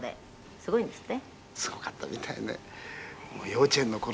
すごいんですって？